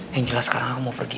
yang jelas sekarang aku mau pergi